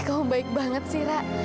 kamu baik banget sih rah